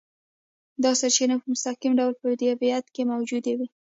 دا سرچینې په مستقیم ډول په طبیعت کې موجودې وي.